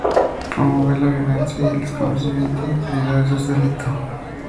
Promover la violencia y el desconocimiento de autoridades es delito".